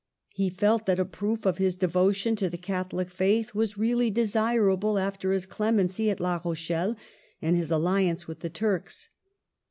He felt that a proof of his devotion to the Catholic faith was really desirable after his clemency at La Rochelle and his alliance with the Turks.